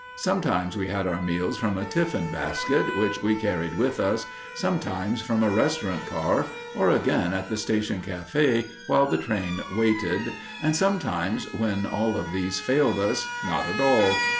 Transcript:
Sometimes we had our meals from a tiffin basket which we carried with us, sometimes from a restaurant car, or again at the station café while the train waited, and sometimes, when all of these failed us, not at all.